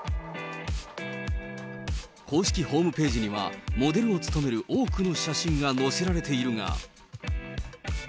公式ホームページにはモデルを務める多くの写真が載せられているが。